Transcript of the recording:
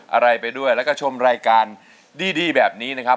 อะไรไปด้วยแล้วก็ชมรายการดีแบบนี้นะครับ